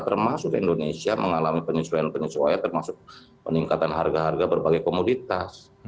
termasuk indonesia mengalami penyesuaian penyesuaian termasuk peningkatan harga harga berbagai komoditas